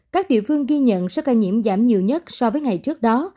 các địa phương ghi nhận số ca nhiễm giảm nhiều nhất so với ngày trước đó